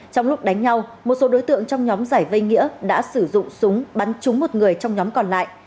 trong lúc đánh nhau một số đối tượng trong nhóm giải vây nghĩa đã sử dụng súng bắn trúng một người trong nhóm còn lại